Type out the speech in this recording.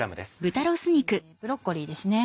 ブロッコリーですね。